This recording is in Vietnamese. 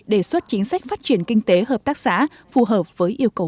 đề xuất chính sách phát triển kinh tế hợp tác xã phù hợp với yêu cầu